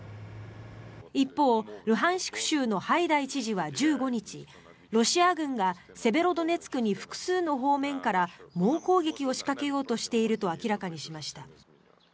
一方、ルハンシク州のハイダイ知事は１５日ロシア軍がセベロドネツクに複数の方面から猛攻撃を仕掛けようとしていると明らかにしました。